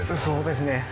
そうですね。